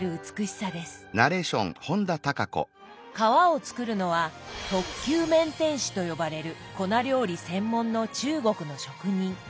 皮を作るのは「特級麺点師」と呼ばれる粉料理専門の中国の職人。